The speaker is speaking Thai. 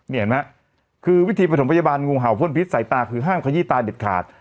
นี่เห็นไหมคือวิธีประถมพยาบาลงูเห่าพ่นพิษสายตาคือห้ามขยี้ตาเด็ดขาด